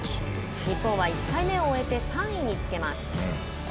日本は１回目を終えて３位につけます。